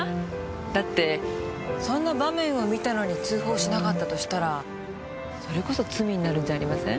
だってそんな場面を見たのに通報しなかったとしたらそれこそ罪になるんじゃありません？